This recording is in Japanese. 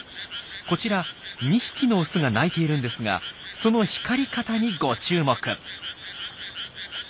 こちら２匹のオスが鳴いているんですがその光り方にご注目。